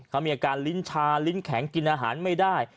เขามีอาการลิ้นชาลิ้นแข็งกินอาหารไม่ได้